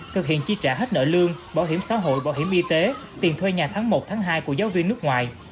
thực hiện chi trả hết nợ lương bảo hiểm xã hội bảo hiểm y tế tiền thuê nhà tháng một tháng hai của giáo viên nước ngoài